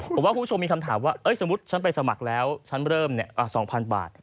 ผมว่าคุณผู้ชมมีคำถามว่าสมมุติฉันไปสมัครแล้วฉันเริ่ม๒๐๐๐บาท